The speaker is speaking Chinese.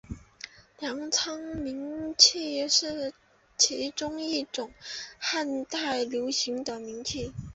粮仓明器是其中一种汉代流行的明器。